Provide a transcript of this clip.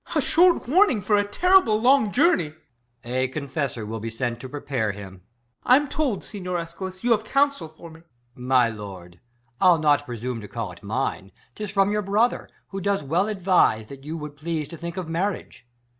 Ben. a short warning for a terrible long journey. EsCH. A confessor Avill be sent to prepare him. Ben. I'm told, Siguier Eschalus, you have coun sel for me. EsCH. My lord, I'll not presume to call it mine ; 'Tis from your brother, who does well advise, That you would please to think of marriage.